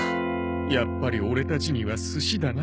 やっぱりオレたちにはすしだな。